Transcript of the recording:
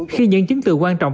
khi những chứng tự quan trọng